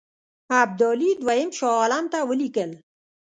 ابدالي دوهم شاه عالم ته ولیکل.